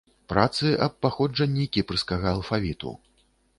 Працы аб паходжанні кіпрскага алфавіту.